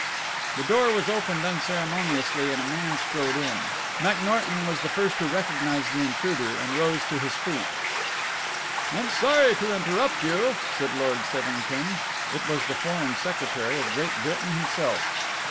The door was opened unceremoniously and a man strode in. McNorton was the first to recognize the intruder and rose to his feet. "I'm sorry to interrupt you," said Lord Sevington it was the Foreign Secretary of Great Britain himself.